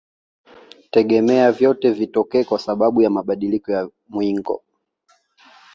Tegemea vyote vitokee kwa sababu ya mabadiliko ya mwingo